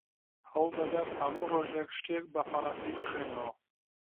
هەوڵ دەدەم هەموو ڕۆژێک شتێک بە فەڕەنسی بخوێنمەوە.